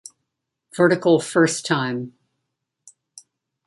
Vertical first time.